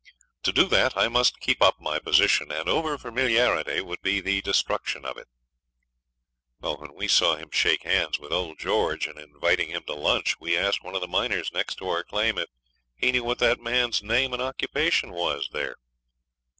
To do that I must keep up my position, and over familiarity would be the destruction of it.' When we saw him shaking hands with old George and inviting him to lunch we asked one of the miners next to our claim if he knew what that man's name and occupation was there.